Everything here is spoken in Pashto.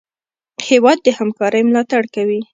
هېواد د همکارۍ ملاتړ کوي.